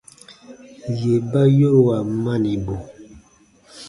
Yè ba yoruan manibu.